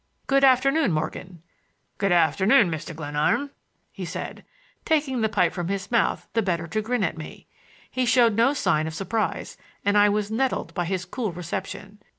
"Good afternoon, Morgan." "Good afternoon, Mr. Glenarm," he said, taking the pipe from his mouth the better to grin at me. He showed no sign of surprise, and I was nettled by his cool reception.